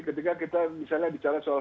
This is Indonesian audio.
ketika kita misalnya bicara soal